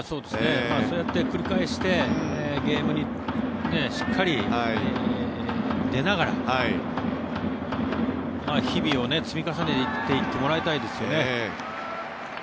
そうやって繰り返してゲームにしっかり出ながら日々を積み重ねていってもらいたいですよね。